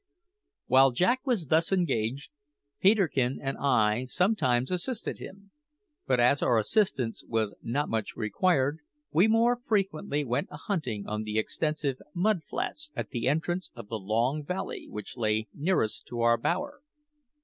While Jack was thus engaged, Peterkin and I sometimes assisted him; but as our assistance was not much required, we more frequently went a hunting on the extensive mud flats at the entrance of the long valley which lay nearest to our bower.